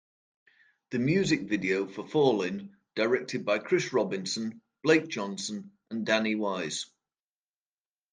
The music video for "Fallin'", directed by Chris Robinson, Blake Johnson and Danny Wise.